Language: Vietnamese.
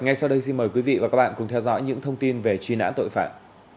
ngay sau đây xin mời quý vị và các bạn cùng theo dõi những thông tin về truy nã tội phạm